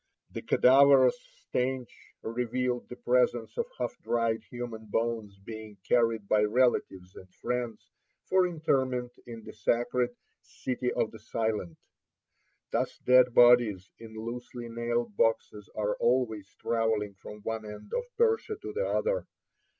The cadaverous stench revealed the presence of half dried human bones being carried by relatives and friends for interment in the sacred "City of the Silent." Thus dead bodies, in loosely nailed boxes, are always traveling from one end of Persia to the other.